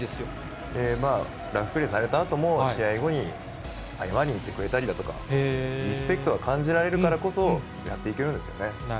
ラフプレーされたあとも、試合後に謝りに来てくれたりだとか、リスペクトが感じられるからこそ、やっていけるんですよね。